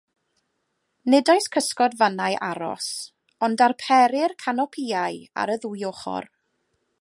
Nid oes cysgodfannau aros, ond darperir canopïau ar y ddwy ochr.